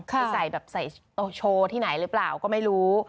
คือใส่แบบใส่โชว์ที่ไหนหรือเปล่าก็ไม่รู้